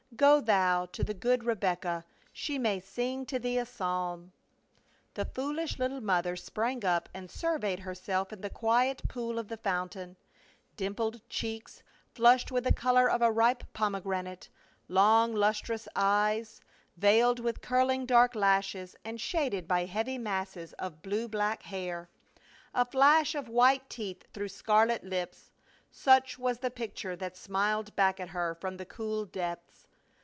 Go thou to the good Rebecca ; she may sing to thee a psalm." The foolish little mother sprang up and surveyed herself in the quiet pool of the fountain ; dimpled cheeks, flushed with the color of a ripe pomegranate, long lustrous eyes, veiled with curling dark lashes and shaded by heavy masses of blue black hair, a flash of white teeth through scarlet lips, such was the picture that smiled back at her from the cool depths.